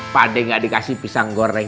pak d gak dikasih pisang goreng